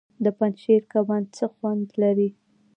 د پنجشیر کبان څه خوند لري؟